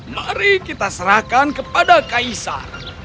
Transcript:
mari kita serahkan kepada kaisar